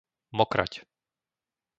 Mokraď